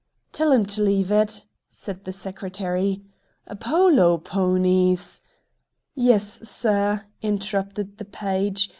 "Tell him to leave it," said the Secretary. "Polo ponies " "Yes, Sir," interrupted the page.